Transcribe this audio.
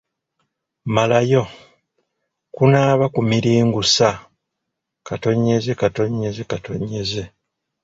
Malayo: Kunaaba kumiringusa, ….